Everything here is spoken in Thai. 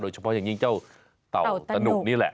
โดยเฉพาะอย่างนี้เจ้าเต่าตนุกนี่แหละ